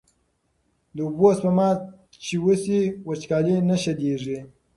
د اوبو سپما چې وشي، وچکالي نه شدېږي.